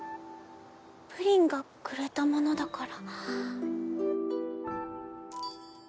ぷりんがくれたものだから。